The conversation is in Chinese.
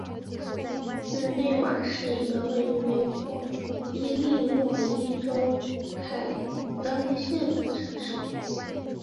日内瓦是一个位于美国伊利诺伊州凯恩县的城市。